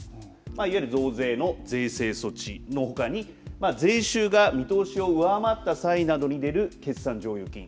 いわゆる増税の税制措置のほかに税収が見通しを上回った際などに出る決算剰余金。